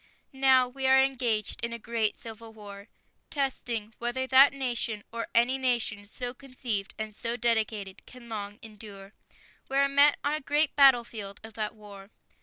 Now we are engaged in a great civil war. . .testing whether that nation, or any nation so conceived and so dedicated. .. can long endure. We are met on a great battlefield of that war.